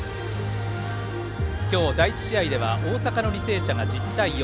今日、第１試合では大阪の履正社が１０対４。